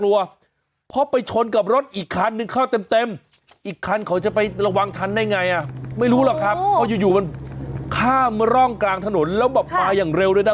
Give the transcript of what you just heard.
วางทันได้ไงอ่ะไม่รู้หรอกครับเพราะอยู่มันข้ามร่องกลางถนนแล้วมาอย่างเร็วด้วยนะ